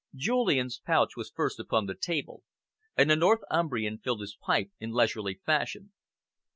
Julian's pouch was first upon the table, and the Northumbrian filled his pipe in leisurely fashion.